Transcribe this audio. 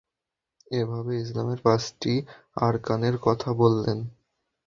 এভাবে ইসলামের পাঁচটি আরকানের কথা বললেন।